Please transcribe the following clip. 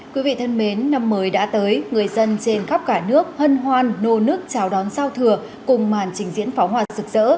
quý vị thân mến năm mới đã tới người dân trên khắp cả nước hân hoan nô nước chào đón sao thừa cùng màn trình diễn pháo hòa sực sỡ